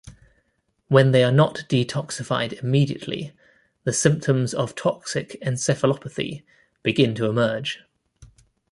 When they are not detoxified immediately, the symptoms of toxic encephalopathy begin to emerge.